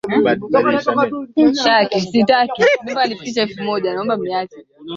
Siku mbili kabla ya wavulana kutahiriwa vichwa vyao hunyolewa Themanini na moja Kisha vijana